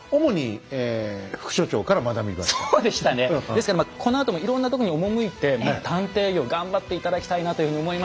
ですからこのあともいろんなとこに赴いて探偵業を頑張って頂きたいなというふうに思いました。